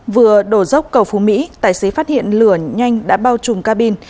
vừa đổ dốc cầu phú mỹ tài xế phát hiện lửa nhanh đã bao trùm ca bin